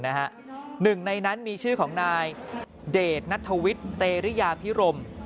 หนึ่งในนั้นมีชื่อของนายเดชนัทวิทย์เตรริยาพิรม